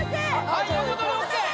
はい横取りＯＫ